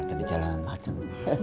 jadi jalan macem